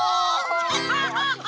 ハハハハ！